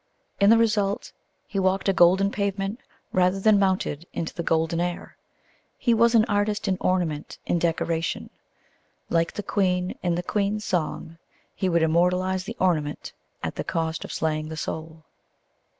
In the result he walked a golden pavement rather than mounted into the golden air. He was an artist in ornament, in decoration. Like the Queen in the Queen's Song, he would immortalize the ornament at the cost of slaying the soul.